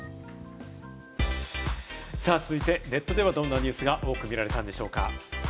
続いてネットでは、どんなニュースが多く見られたのでしょうか？